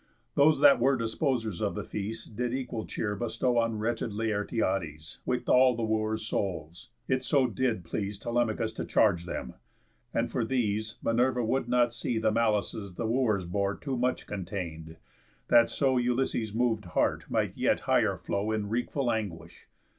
Those that were Disposers of the feast did equal cheer Bestow on wretched Laertiades, With all the Wooers' souls; it so did please Telemachus to charge them. And for these Minerva would not see the malices The Wooers bore too much contain'd, that so Ulysses' mov'd heart yet might higher flow In wreakful anguish.